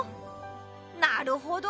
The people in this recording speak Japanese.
なるほど！